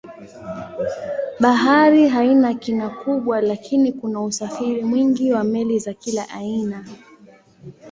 Bahari haina kina kubwa lakini kuna usafiri mwingi wa meli za kila aina.